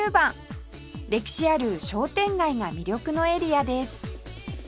歴史ある商店街が魅力のエリアです